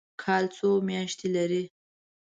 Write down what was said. کال څو میاشتې لري؟